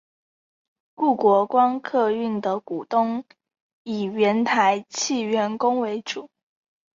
故国光客运的股东以原台汽员工为主。